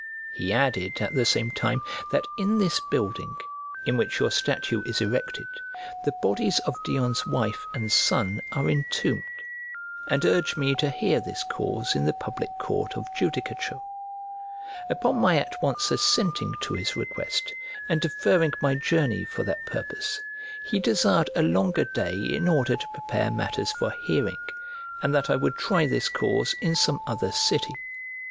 He added, at the same time, that in this building, in which your statue is erected, the bodies of Dion's wife and son are entombed, and urged me to hear this cause in the public court of judicature. Upon my at once assenting to his request, and deferring my journey for that purpose, he desired a longer day in order to prepare matters for hearing, and that I would try this cause in some other city.